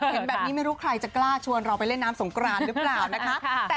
เห็นแบบนี้ไม่รู้ใครจะกล้าชวนเราไปเล่นน้ำสงกรานหรือเปล่านะคะ